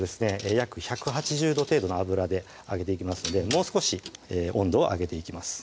約１８０℃程度の油で揚げていきますのでもう少し温度を上げていきます